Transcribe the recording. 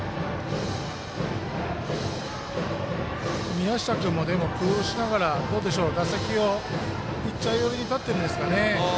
宮下君も工夫しながら打席をピッチャー寄りに立ってるんですかね。